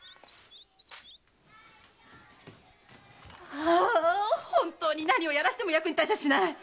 ああ本当に何をやらしても役に立ちゃしない！